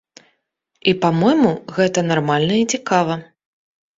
І, па-мойму, гэта нармальна і цікава.